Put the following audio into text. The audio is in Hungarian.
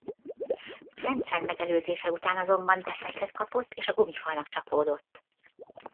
Frentzen megelőzése után azonban defektet kapott és a gumifalnak csapódott.